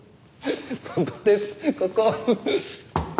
ここですここ。